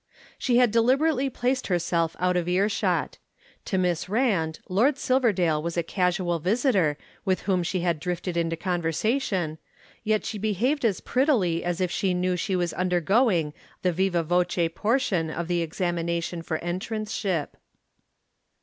She had deliberately placed herself out of earshot. To Miss Rand, Lord Silverdale was a casual visitor with whom she had drifted into conversation, yet she behaved as prettily as if she knew she was undergoing the viva voce portion of the examination for entranceship.